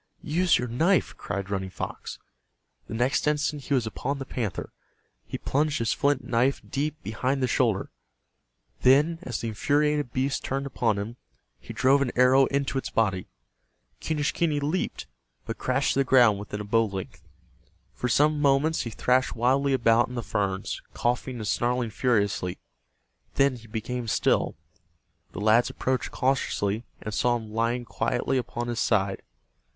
"Use your knife!" cried Running Fox. The next instant he was upon the panther. He plunged his flint knife deep behind the shoulder. Then, as the infuriated beast turned upon him, he drove an arrow into its body. Quenischquney leaped, but crashed to the ground within a bow length. For some moments he thrashed wildly about in the ferns, coughing and snarling furiously. Then he became still. The lads approached cautiously, and saw him lying quietly upon his side.